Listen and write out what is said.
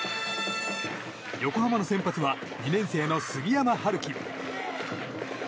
横浜の先発は２年生の杉山遙希。